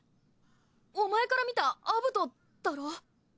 お前から見たアブトだろ？